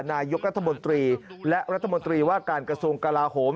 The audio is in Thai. นายกรัฐมนตรีและรัฐมนตรีว่าการกระทรวงกลาโหม